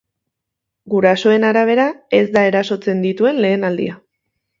Gurasoen arabera, ez da erasotzen dituen lehen aldia.